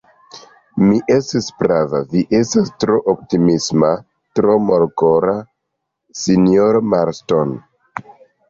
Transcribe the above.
Mi estis prava; vi estas tro optimisma, tro molkora, sinjoro Marston.